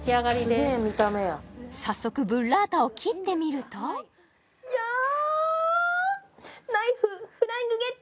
すげえ見た目や早速ブッラータを切ってみるといやナイフフライングゲット！